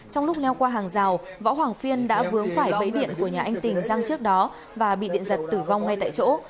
trong lúc leo qua hàng rào võ hoàng phiên đã vướng phải bẫy điện của nhà anh tình răng trước đó và bị điện giật tử vong ngay tại chỗ